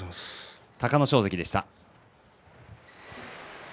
隆の勝関でした。